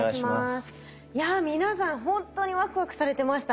いや皆さん本当にワクワクされてましたね。